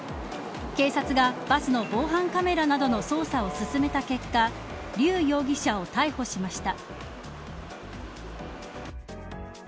警察がバスの防犯カメラなどの捜査を進めた結果劉容疑者を逮捕しました。